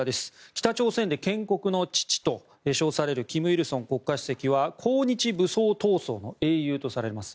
北朝鮮で建国の父と称される金日成国家主席は抗日武装闘争の英雄とされます。